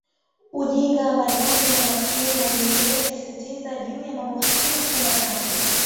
Ujinga maradhi na Umaskini Mwalimu Nyerere alisisitiza juu ya mambo haya makuu matatu